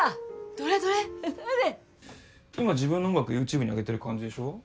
ほれ今自分の音楽ＹｏｕＴｕｂｅにあげてる感じでしょ？